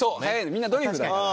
みんなドリフだから。